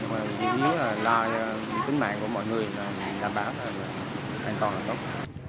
nhưng mà không nghĩ đến cái thiệt hại của mình nhưng mà nghĩ đến là tính mạng của mọi người là bảo là an toàn là tốt